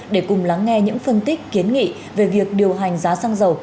để cùng lắng nghe những phân tích kiến nghị về việc điều hành giá xăng dầu